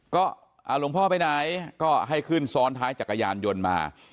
ก็หลวงพ่อไปไหนก็ให้ขึ้นซ้อนท้ายจักรยานยนต์มา